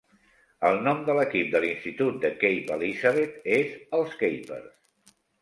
El nom de l'equip de l"institut de Cape Elizabeth és els "Capers".